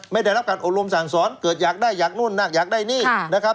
ได้รับการอบรมสั่งสอนเกิดอยากได้อยากนู่นน่าอยากได้นี่นะครับ